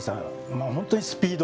まあ本当にスピード。